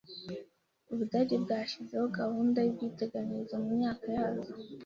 Ubudage bwashyizeho gahunda y’ubwiteganyirize mu myaka ya za .